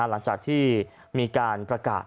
หลังจากที่มีการประกาศ